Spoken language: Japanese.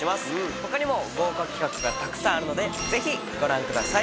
ほかにも豪華企画がたくさんあるので、ぜひご覧ください。